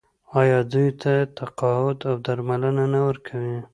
آیا دوی ته تقاعد او درملنه نه ورکوي؟